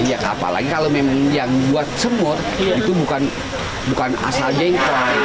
ya apalagi kalau memang yang buat semur itu bukan asal jengkol